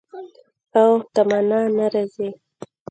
او تمنا نه راځي